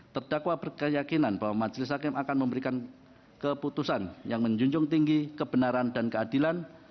terdakwa berkeyakinan bahwa majelis hakim akan memberikan keputusan yang menjunjung tinggi kebenaran dan keadilan